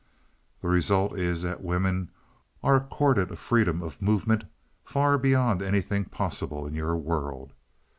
"The result is that women are accorded a freedom of movement far beyond anything possible in your world.